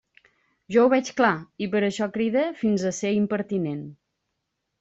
Jo ho veig clar, i per això cride fins a ser impertinent.